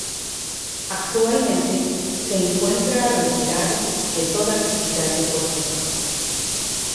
Actualmente se encuentra retirado de toda actividad deportiva.